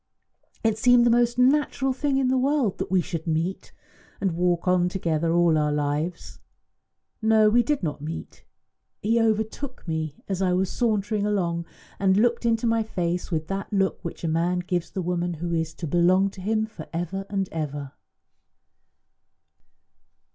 It seemed the most natural thing in the world that we should meet, and walk on together all our lives. No, we did not meet; he overtook me as I was sauntering along, and looked into my face with that look which a man gives the woman who is to belong to him for ever and ever."